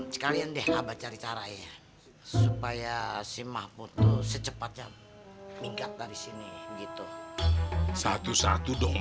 sekalian deh abah cari caranya supaya si mahfud tuh secepatnya minggat dari sini gitu satu satu dong